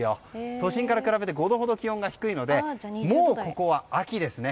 都心から比べて５度ほど気温が低いのでもう、ここは秋ですね。